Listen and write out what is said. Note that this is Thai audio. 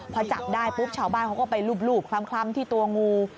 พอจับได้ปุ๊บชาวบ้านเขาก็ไปรูปคล้ำที่ตัวงู